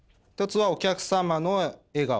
１つはお客様の笑顔。